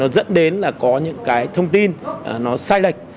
dẫn đến có những thông tin sai lệch